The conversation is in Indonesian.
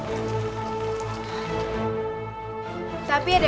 tapi ada beberapa syarat yang harus kamu penuhi dulu